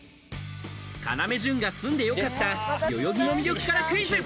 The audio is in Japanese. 要潤が住んで良かった代々木の魅力からクイズ。